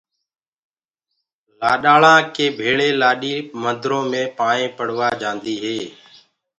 لآڏآݪا ڪي ڀيݪي لآڏي مندرو مي پائينٚ پڙوآ جآندي هي۔